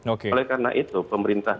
oleh karena itu pemerintah